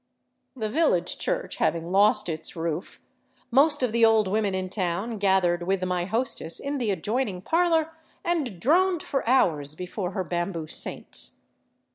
The village church having lost its roof, most of the old women in town gathered with my hostess in the adjoining parlor and droned for hours before her bamboo saints.